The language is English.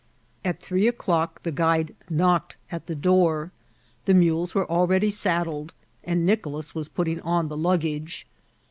At three o'clock the guide knocked at the door. The mules were already saddled, and Nicolas was putting on the luggage.